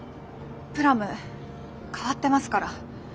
ぷらむ変わってますから。